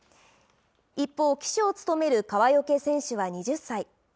一方、旗手を務める川除選手は２０歳。